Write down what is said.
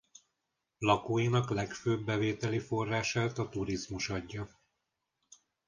Lakóinak legfőbb bevételi forrását a turizmus adja.